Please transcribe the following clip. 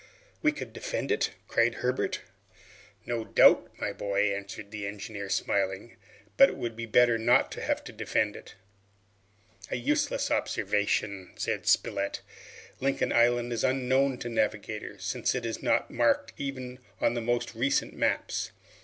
"We could defend it,', cried Herbert. "No doubt, my boy," answered the engineer smiling, "but it would be better not to have to defend it." "A useless observation," said Spilett. "Lincoln Island is unknown to navigators, since it is not marked even on the most recent maps.